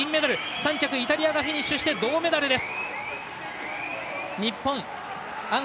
３着、イタリアがフィニッシュ銅メダルです。